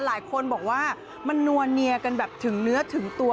หลายคนบอกว่ามันนัวเนียกันแบบถึงเนื้อถึงตัว